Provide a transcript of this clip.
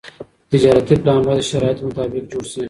تجارتي پلان باید د شرایطو مطابق جوړ شي.